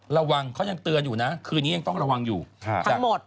ระวังเขายังเตือนอยู่นะคืนนี้ยังต้องระวังอยู่จะหมด